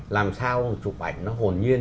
làm sao chụp ảnh nó hồn nhiên